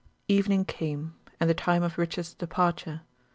Evening came, and the time of Richard's departure.